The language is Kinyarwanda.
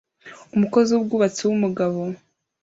Umukozi wubwubatsi wumugabo